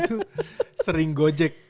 tuh sering gojek